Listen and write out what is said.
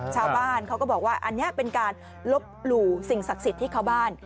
ชาวบ้านเขาก็บอกว่าอันนี้เป็นการลบหลู่สิ่งศักดิ์สิทธิ์ที่เข้าบ้าน